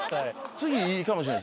次いいかもしれない。